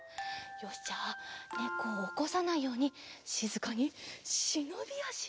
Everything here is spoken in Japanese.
よしじゃあねこをおこさないようにしずかにしのびあし。